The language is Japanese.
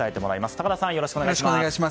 高田さん、よろしくお願いします。